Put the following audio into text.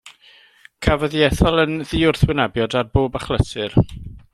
Cafodd ei ethol yn ddiwrthwynebiad ar bob achlysur.